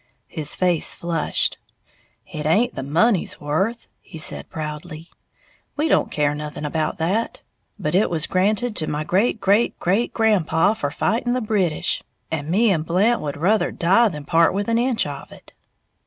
His face flushed. "It haint the money's worth," he said, proudly; "we don't care nothing about that. But it was granted to my great great great grandpaw for fighting the British, and me'n' Blant would ruther die than part with a' inch of it."